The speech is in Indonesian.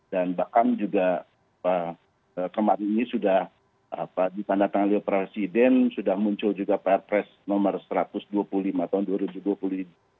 dan bahkan juga kemarin ini sudah di pandang tangan leoprasiden sudah muncul juga pr press nomor satu ratus dua puluh lima tahun dua ribu dua puluh